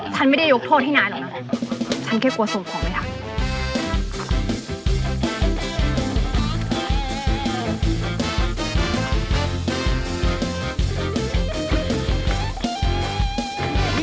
ฉันไม่ได้ยกโทษที่นายหรอกนะ